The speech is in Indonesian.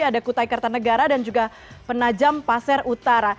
ada kutai kartanegara dan juga penajam pasir utara